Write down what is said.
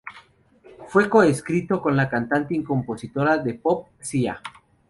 Fue co-escrito con la cantante y compositora de pop Sia.